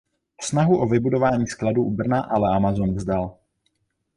Snahu o vybudování skladu u Brna ale Amazon vzdal.